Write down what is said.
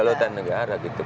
kedaulatan negara gitu